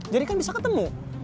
jadi kan bisa ketemu